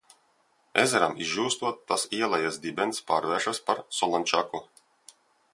Ezeram izžūstot, tas ielejas dibens pārvēršas par solončaku.